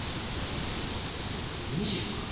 ２５点！